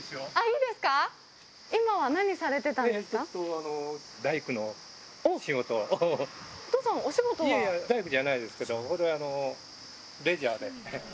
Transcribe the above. いやいや、大工じゃないですけど、レジャーで。